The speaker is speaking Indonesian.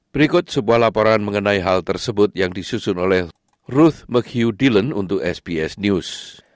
berikut sebuah laporan mengenai hal tersebut yang disusun oleh ruth maghew dealen untuk sbs news